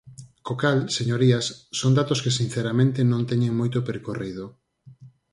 Co cal, señorías, son datos que sinceramente non teñen moito percorrido.